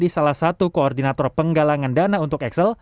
dia menjadi salah satu koordinator penggalangan dana untuk axel